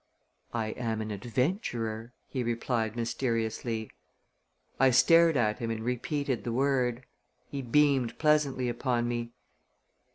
"I am an adventurer," he replied mysteriously. I stared at him and repeated the word. He beamed pleasantly upon me.